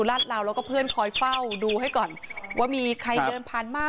แล้วก็เพื่อนคอยเฝ้าดูให้ก่อนว่ามีใครเยินพันมา